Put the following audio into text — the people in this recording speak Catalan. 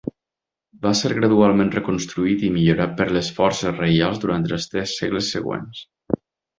Va ser gradualment reconstruït i millorat per les forces reials durant els tres segles següents.